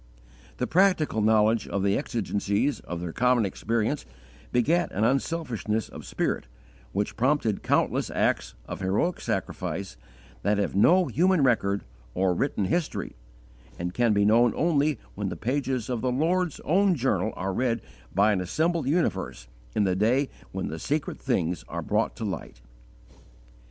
The practical knowledge of the exigencies of their common experience begat an unselfishness of spirit which prompted countless acts of heroic sacrifice that have no human record or written history, and can be known only when the pages of the Lord's own journal are read by an assembled universe in the day when the secret things are brought to light.